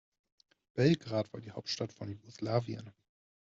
Belgrad war die Hauptstadt von Jugoslawien.